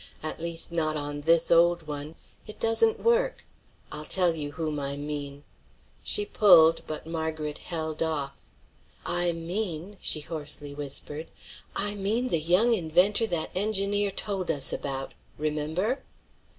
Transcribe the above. At least, not on this old one. It doesn't work. I'll tell you whom I mean." She pulled, but Marguerite held off. "I mean," she hoarsely whispered, "I mean the young inventor that engineer told us about. Remember?"